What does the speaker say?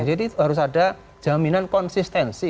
jadi harus ada jaminan konsistensi